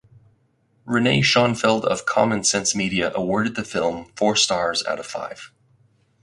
Renee Schonfeld of Common Sense Media awarded the film four stars out of five.